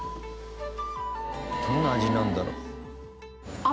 どんな味なんだろう？